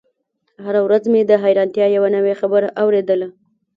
هره ورځ مې د حيرانتيا يوه نوې خبره اورېدله.